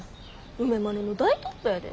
梅丸の大トップやで。